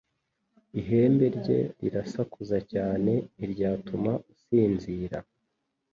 Ihemberye rirasakuza cyane ntiryatuma usinzira